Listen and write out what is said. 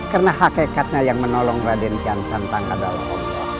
karena hakikatnya yang menolong raden kiansan tangga dalam allah